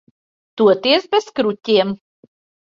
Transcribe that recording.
Toties bez kruķiem.